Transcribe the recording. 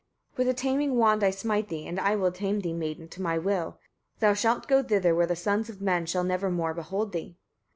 26. With a taming wand I smite thee, and I will tame thee, maiden! to my will. Thou shalt go thither, where the sons of men shall never more behold thee.